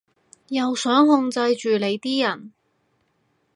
又想控制住你啲人